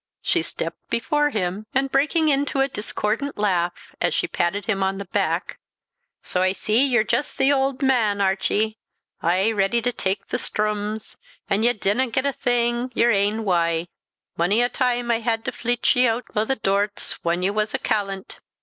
She stepped before him, and, breaking into a discordant laugh, as she patted him on the back, "So I see ye're just the auld man, Archie, aye ready to tak the strums, an' ye dinna get a' thing yer ain wye. Mony a time I had to fleech ye oot o' the dorts whan ye was a callant.